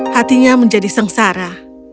hatinya menjadi sengsara